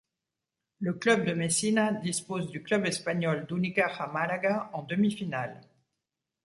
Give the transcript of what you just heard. Le club de Messina dispose du club espagnol d'Unicaja Málaga en demi-finale.